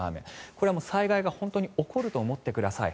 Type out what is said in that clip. これは災害が本当に起こると思ってください。